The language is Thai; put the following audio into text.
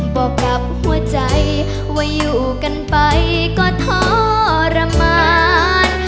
บอกกับหัวใจว่าอยู่กันไปก็ทรมาน